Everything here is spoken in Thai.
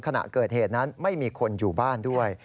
ขณะเกิดเหตุนั้นไม่มีคนอยู่บ้านด้วย